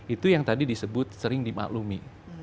itu yang tadi disebut sering dimaklumi